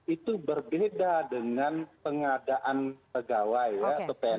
itu berbeda dengan pengadaan pegawai ya atau pn